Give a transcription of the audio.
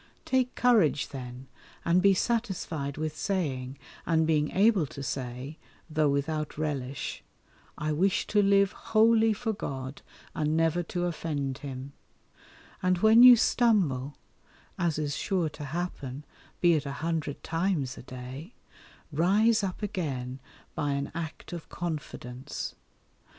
Take courage then, and be satisfied with saying, and being able to say, though without relish, "I wish to live wholly for God and never to offend Him;" and when you stumble, as is sure to happen (be it a hundred times a day), rise up again by an act of confidence.